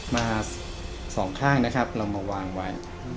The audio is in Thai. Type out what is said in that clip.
มาสองข้างนะครับเรามาวางไว้